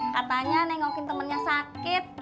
katanya nengokin temennya sakit